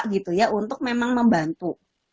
gitu ya untuk memang membantu